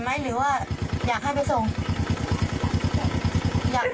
เคลียร์รถจักรยานยนต์ไปถาม